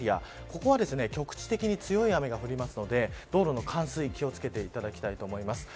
ここは局地的に強い雨が降るので道路の冠水に気をつけていただきたいと思います。